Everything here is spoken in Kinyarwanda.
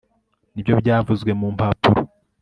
nibyo byavuzwe mu mpapuro